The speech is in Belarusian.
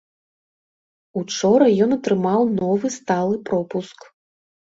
Учора ён атрымаў новы сталы пропуск.